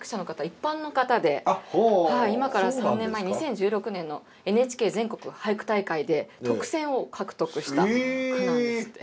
一般の方で今から３年前２０１６年の「ＮＨＫ全国俳句大会」で特選を獲得した句なんですって。